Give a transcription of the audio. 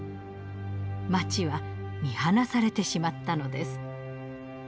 街は見放されてしまったのです。